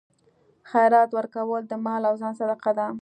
خیرات ورکول د مال او ځان صدقه ده.